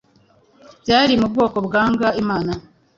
Byari mu bwoko bwanga Imana